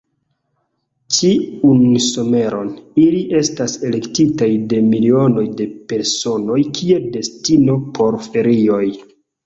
Ĉiun someron, ili estas elektitaj de milionoj de personoj kiel destino por ferioj.